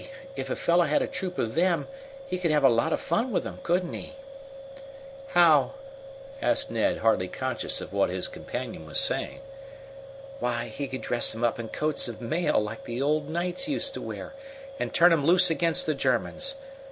if a fellow had a troop of them he could have a lot of fun with 'em, couldn't he?" "How?" asked Ned, hardly conscious of what his companion was saying. "Why, he could dress 'em up in coats of mail, like the old knights used to wear, and turn 'em loose against the Germans.